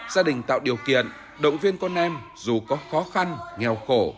gia đình tạo điều kiện động viên con em dù có khó khăn nghèo khổ